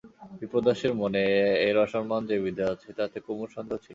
বিপ্রদাসের মনে এর অসম্মান যে বিঁধে আছে তাতে কুমুর সন্দেহ ছিল না।